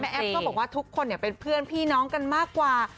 แอฟก็บอกว่าทุกคนเป็นเพื่อนพี่น้องกันมากกว่า